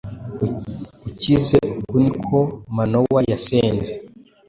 ukize Uku ni ko Manowa yasenze.